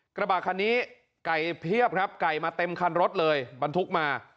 กระบะคันนี้ไก่เพียบครับไก่มาเต็มคันรถเลยบรรทุกมา